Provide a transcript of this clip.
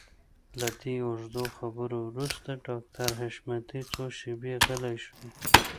له دې اوږدو خبرو وروسته ډاکټر حشمتي څو شېبې غلی شو.